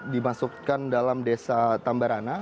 dimasukkan dalam desa tambarana